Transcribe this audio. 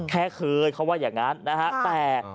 แค่เคยเขาว่าอย่างนั้นนะฮะแต่